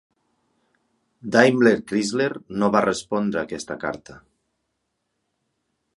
DaimlerChrysler no va respondre a aquesta carta.